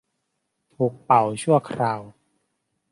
ถูกเป่าชั่วคราว